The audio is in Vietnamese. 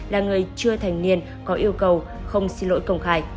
là người chưa thành niên có yêu cầu không xin lỗi công khai